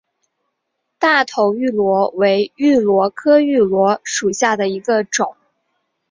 大头芋螺为芋螺科芋螺属下的一个种。